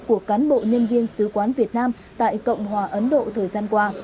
của cán bộ nhân viên sứ quán việt nam tại cộng hòa ấn độ thời gian qua